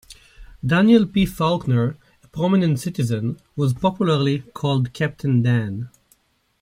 Daniel P. Faulkner, a prominent citizen, was popularly called Captain Dan.